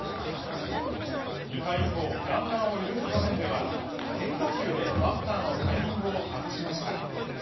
２回以降ランナーを許す場面では変化球でバッターのタイミングを外しました。